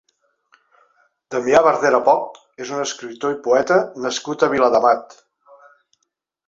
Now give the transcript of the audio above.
Damià Bardera Poch és un escriptor i poeta nascut a Viladamat.